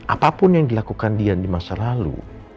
apapun yang dilakukan dia di masa lalu